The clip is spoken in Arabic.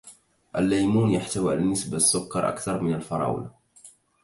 الليمون يحتوي على نسبة سكر أكثر من الفراولة.